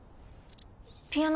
ピアノ